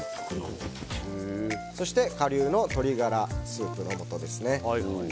そして、顆粒の鶏ガラスープのもとですね。